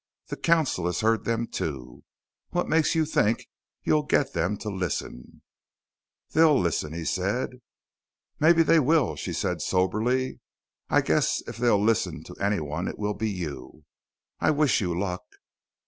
The council has heard them, too. What makes you think you'll get them to listen?" "They'll listen," he said. "Maybe they will," she said soberly. "I guess if they'll listen to anyone, it will be you. I wish you luck."